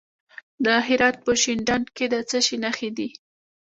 د هرات په شینډنډ کې د څه شي نښې دي؟